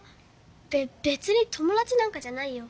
べべつに友だちなんかじゃないよ。